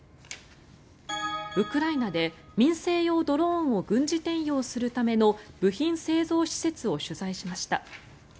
ウクライナで民生用ドローンを軍事転用するための部品製造施設を取材しました。